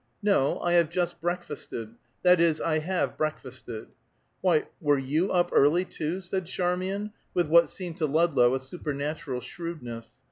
"No, I have just breakfasted that is, I have breakfasted " "Why, were you up early, too?" said Charmian, with what seemed to Ludlow a supernatural shrewdness.